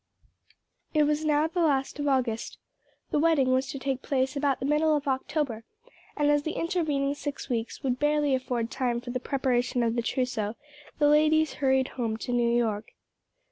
It was now the last of August. The wedding was to take place about the middle of October, and as the intervening six weeks would barely afford time for the preparation of the trousseau, the ladies hurried home to New York.